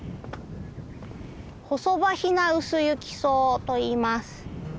ホソバヒナウスユキソウといいます。